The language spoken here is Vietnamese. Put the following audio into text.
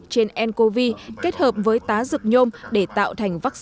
trên ncov kết hợp với tá dựng nhôm để tạo thành vaccine covid một mươi chín